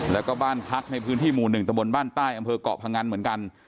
แล้วก็บ้านพักในพื้นที่หมู่๑ตะบนบ้านใต้อำเภอกเกาะพงันเหมือนกัน